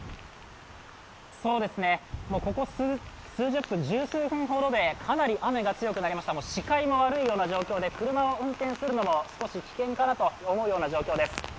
そうですね、ここ十数分ほどでかなり雨が強くなりました、視界も悪いような状況で、車を運転するのも少し危険かなと思うような状況です。